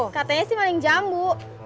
katanya sih maling jambu